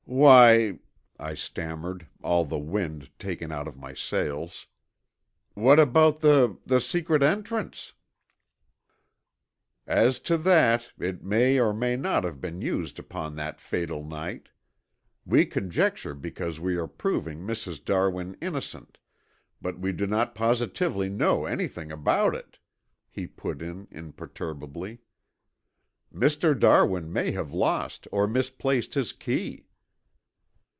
"Why," I stammered, all the wind taken out of my sails, "what about the the secret entrance?" "As to that, it may or may not have been used upon that fatal night. We conjecture because we are proving Mrs. Darwin innocent, but we do not positively know anything about it," he put in imperturbably. "Mr. Darwin may have lost or misplaced his key."